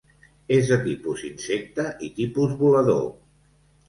És de tipus insecte i tipus volador.